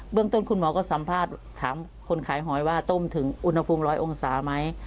เรื่องต้นคุณหมอก็สัมภาษณ์ถามคนขายหอยว่าต้มถึงอุณหภูมิ๑๐๐องศาไหม